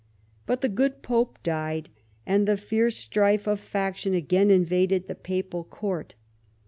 But the good pope died, and the fierce strife of faction again invaded the papal court.